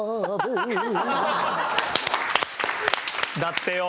だってよ。